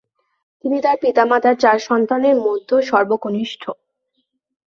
তিনি তার পিতামাতার চার সন্তানের মধ্য সর্বকনিষ্ঠ।